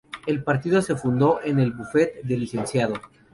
El partido se fundó en el bufete del Lic.